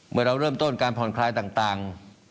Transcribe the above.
เมื่อเราเริ่มต้นการผ่อนคลายต่าง